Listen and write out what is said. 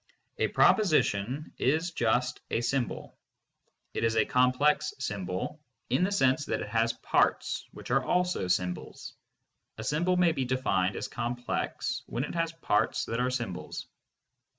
A proposition is just a symbol. It is a complex symbol in the sense that it has parts which are also symbols: a symbol may be defined as complex when it has parts that are symbols.